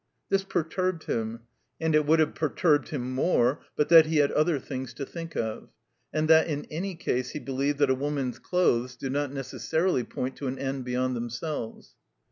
This perturbed him; and it would have perturbed him more but that he had other things to think of, and that in any case he believed that a woman's clothes do not necessarily point to an end beyond themselves.